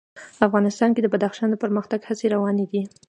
افغانستان کې د بدخشان د پرمختګ هڅې روانې دي.